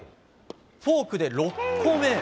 フォークで６個目。